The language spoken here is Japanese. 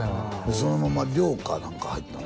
そのまま寮か何か入ったの？